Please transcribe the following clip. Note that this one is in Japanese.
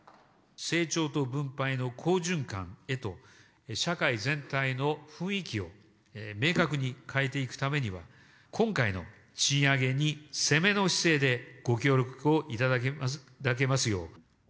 成長と分配の好循環へと、社会全体の雰囲気を明確に変えていくためには、今回の賃上げに攻めの姿勢でご協力をいただけますよう。